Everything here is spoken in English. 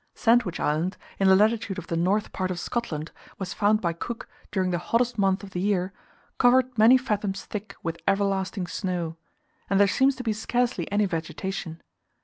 Sandwich Land, in the latitude of the north part of Scotland, was found by Cook, during the hottest month of the year, "covered many fathoms thick with everlasting snow;" and there seems to be scarcely any vegetation.